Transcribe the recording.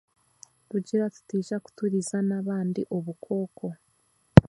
Kugira tutaija kuturizana abandi obukooko